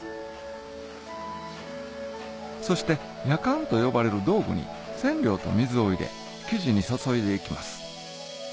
そして薬缶と呼ばれる道具に染料と水を入れ生地に注いでいきます